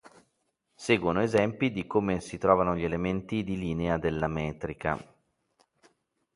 Seguono esempi di come si trovano gli elementi di linea dalla metrica.